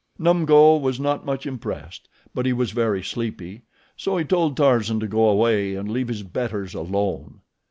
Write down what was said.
Numgo was not much impressed; but he was very sleepy, so he told Tarzan to go away and leave his betters alone.